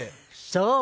そう。